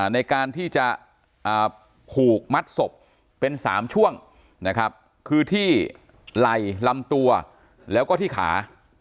ในการที่จะผูกมัดศพเป็น๓ช่วงนะครับคือที่ไหล่ลำตัวแล้วก็ที่ขา